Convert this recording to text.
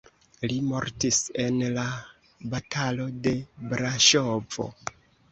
Li mortis en la batalo de Braŝovo.